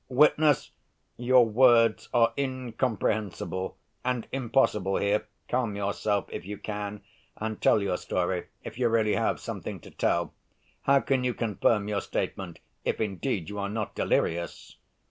"Witness, your words are incomprehensible and impossible here. Calm yourself, if you can, and tell your story ... if you really have something to tell. How can you confirm your statement ... if indeed you are not delirious?"